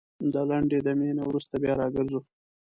دا لنډې دمي نه وروسته بيا راګرځوو